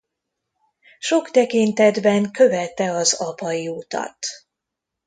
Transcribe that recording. Sok tekintetben követte az apai utat.